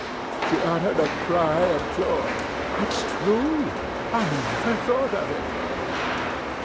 She uttered a cry of joy: "It's true. I never thought of it."